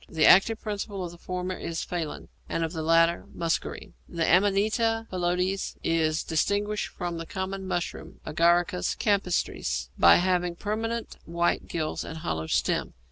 The active principle of the former is phallin, and of the latter muscarine. The Amanita phalloides is distinguished from the common mushroom (Agaricus campestris) by having permanent white gills and a hollow stem.